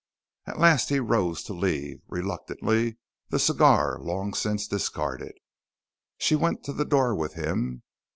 At last he rose to leave, reluctantly, the cigar long since discarded. She went to the door with him.